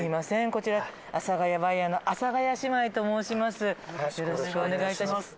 こちら阿佐ヶ谷バイヤーの阿佐ヶ谷姉妹と申します。